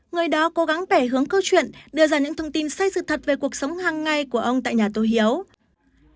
người đó cố gắng bẻ hướng câu chuyện đưa ra những thông tin say sự thật về cuộc sống hàng ngày của ông tại nhà tôi hiếu